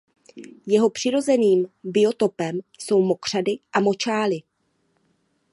Jeho přirozeným biotopem jsou mokřady a močály.